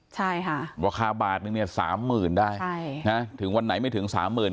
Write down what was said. ใช่ค่ะราคาบาทนึงเนี่ยสามหมื่นได้ใช่นะถึงวันไหนไม่ถึงสามหมื่น